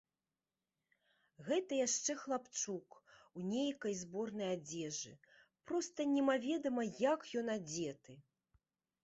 Гэта яшчэ хлапчук, у нейкай зборнай адзежы, проста немаведама як ён адзеты.